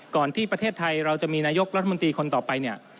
ที่ประเทศไทยเราจะมีนายกรัฐมนตรีคนต่อไปเนี่ย